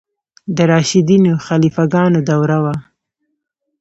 د راشدینو خلیفه ګانو دوره وه.